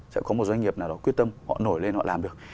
sẽ có một doanh nghiệp nào đó quyết tâm họ nổi lên họ làm được